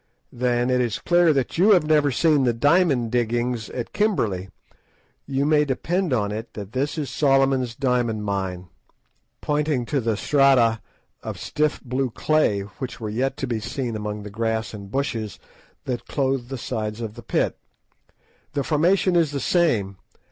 "Then it is clear that you have never seen the diamond diggings at Kimberley. You may depend on it that this is Solomon's Diamond Mine. Look there," I said, pointing to the strata of stiff blue clay which were yet to be seen among the grass and bushes that clothed the sides of the pit, "the formation is the same.